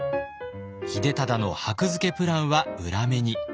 秀忠の箔付けプランは裏目に。